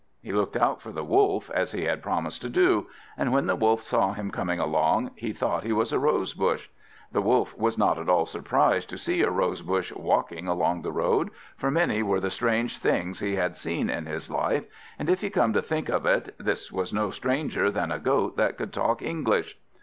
He looked out for the Wolf, as he had promised to do; and when the Wolf saw him coming along, he thought he was a rose bush. The Wolf was not at all surprised to see a rose bush walking along the road, for many were the strange things he had seen in his life; and if you come to think of it, this was no stranger than a Goat that could talk English.